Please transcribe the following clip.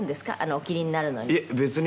「お切りになるのに」